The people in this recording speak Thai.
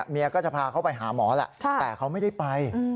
เมียก็จะพาเขาไปหาหมอแหละแต่เขาไม่ได้ไป